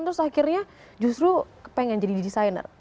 terus akhirnya justru ingin jadi desainer